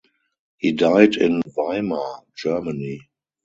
He died in Weimar, Germany.